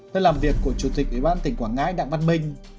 tới làm việc của chủ tịch ủy ban tỉnh quảng ngãi đặng văn minh